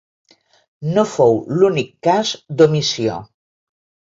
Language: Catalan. No fou l’únic cas d’omissió.